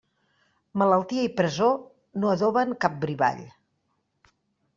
Malaltia i presó no adoben a cap brivall.